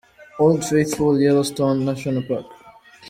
Old Faithful, Yellow stone National Park.